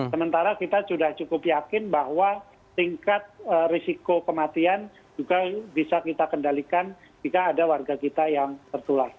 sementara kita sudah cukup yakin bahwa tingkat risiko kematian juga bisa kita kendalikan jika ada warga kita yang tertular